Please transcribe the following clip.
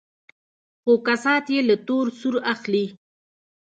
خو كسات يې له تور سرو اخلي.